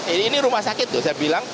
ini rumah sakit saya bilang